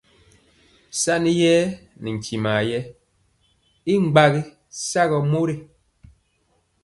Saniyer nɛ ntimɔ ye y gbagi sagɔ mori.